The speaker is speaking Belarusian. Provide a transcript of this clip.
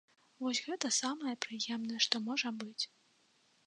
Вось гэта самае прыемнае, што можа быць.